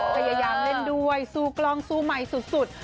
พยายามเล่นด้วยสู้กล้องสู้ไมค์สุด